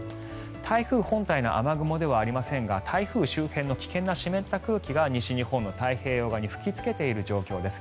台風本体の雨雲ではありませんが台風周辺の危険な湿った空気が西日本の太平洋側に吹きつけている状況です。